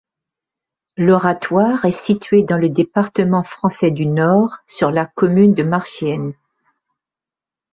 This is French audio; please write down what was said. L'oratoire est situé dans le département français du Nord, sur la commune de Marchiennes.